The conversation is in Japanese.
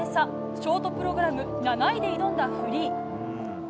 ショートプログラム７位で挑んだフリー。